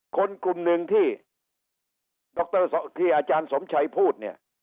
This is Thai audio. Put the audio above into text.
คนกลุ่มหนึ่งที่อาจารย์สมชัยพูด